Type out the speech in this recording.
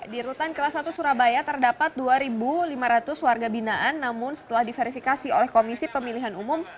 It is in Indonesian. di rutan kelas satu surabaya terdapat dua lima ratus warga binaan namun setelah diverifikasi oleh komisi pemilihan umum